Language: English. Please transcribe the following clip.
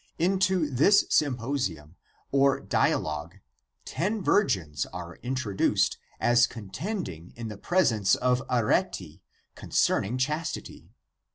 Into this Symposium 1 or dialogue ten virgins are introduced as contending in the presence of Arete concerning chastity.